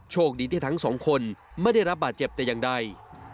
โชคดีที่ทั้งสองคนไม่ได้รับบาดเจ็บแต่อย่างใด